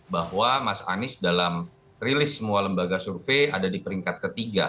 bahwa mas anies dalam rilis semua lembaga survei ada di peringkat ketiga